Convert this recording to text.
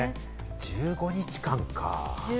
１５日間かぁ。